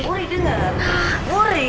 wuri dengar wuri